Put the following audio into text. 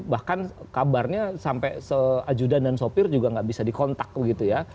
bahkan kabarnya sampai seajudan dan sopir juga nggak bisa dikontak begitu ya